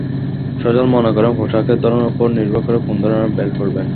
সজল মনে করেন, পোশাকের ধরনের ওপর নির্ভর করে কোন ধরনের বেল্ট পরবেন।